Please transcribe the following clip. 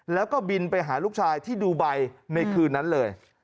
แล้วก็บินไปหาลูกชายที่ดูไบในคืนนั้นเลย